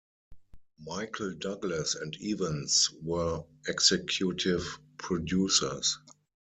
Michael Douglas and Evans were executive producers.